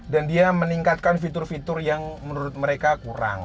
dan dia meningkatkan fitur fitur yang menurut mereka kurang